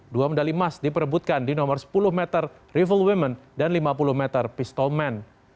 dua medali emas diperebutkan di nomor sepuluh meter rival women dan lima puluh meter pistol man